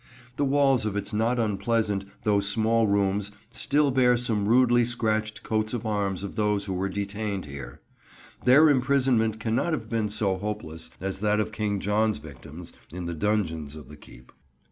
The walls of its not unpleasant, though small rooms, still bear some rudely scratched coats of arms of those who were detained here. Their imprisonment cannot have been so hopeless as that of King John's victims, in the dungeons of the keep.